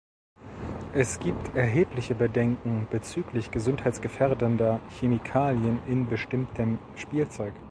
Es gibt erhebliche Bedenken bezüglich gesundheitsgefährdender Chemikalien in bestimmtem Spielzeug.